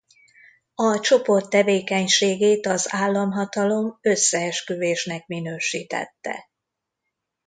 A csoport tevékenységét az államhatalom összeesküvésnek minősítette.